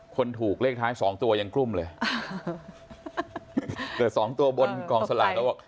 คนถูกเลขท้ายสองตัวยังกลุ้มเลยเกิดสองตัวบนกองสลากแล้วบอก